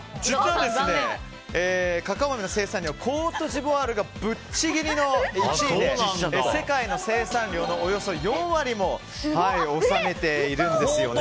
カカオ豆の生産量コートジボワールがぶっちぎりの１位で世界の生産量のおよそ４割も占めているんですよね。